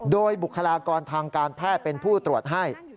โดยบุคลากรทางการแพทย์เป็นผู้ตรวจให้